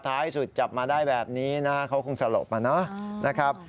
ท้ายสุดจับมาได้แบบนี้นะเขาคงสลบมานะครับ